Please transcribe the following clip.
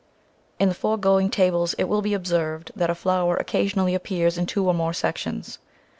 In the foregoing tables it will be observed that a flower occasionally appears in two or more sections.